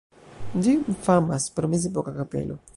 Ĝi famas pro mezepoka kapelo.